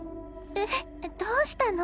えっどうしたの？